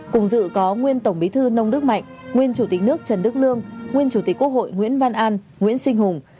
cùng dự có nguyên tổng bí thư nông đức mạnh nguyên chủ tịch nước trần đức lương nguyên chủ tịch quốc hội nguyễn văn an nguyễn sinh hùng